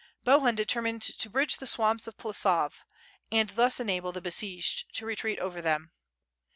'' Bohun determined to bridge the swamps of Plesov and thus enable the besieged to retreat over them.